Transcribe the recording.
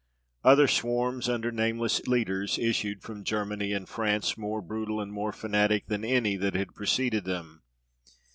Other swarms, under nameless leaders, issued from Germany and France, more brutal and more frantic than any that had preceded them.